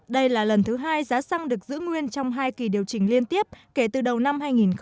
đây là lần thứ hai giá xăng được giữ nguyên trong hai kỳ điều chỉnh liên tiếp kể từ đầu năm hai nghìn một mươi chín